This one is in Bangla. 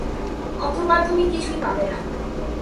অথবা তুমি কিছুই পাবে না।